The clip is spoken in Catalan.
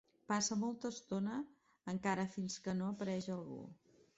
Passa molta estona encara fins que no apareix algú.